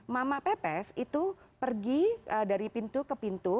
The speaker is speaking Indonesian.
mama pepes itu pergi dari pintu ke pintu